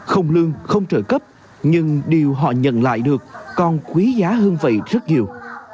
không lương không trợ cấp nhưng điều họ nhận lại được còn quý giá hương vị rất nhiều